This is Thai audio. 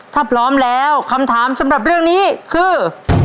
ถ้าพร้อมแล้วคำถามสำหรับเรื่องนี้คือ